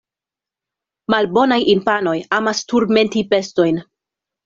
Malbonaj infanoj amas turmenti bestojn.